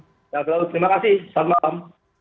sehat selalu terima kasih selamat malam